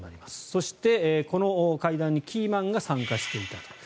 そして、この会談にキーマンが参加していたと。